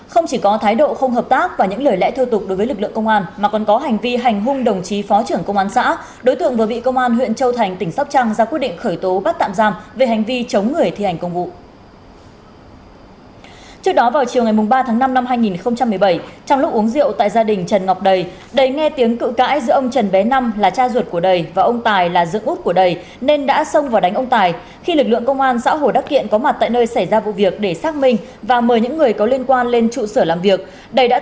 hãy đăng ký kênh để ủng hộ kênh của chúng mình nhé